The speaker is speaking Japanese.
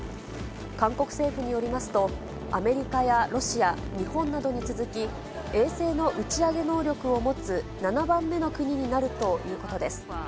韓国政府によりますと、アメリカやロシア、日本などに続き、衛星の打ち上げ能力を持つ７番目の国になるということです。